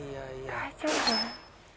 大丈夫？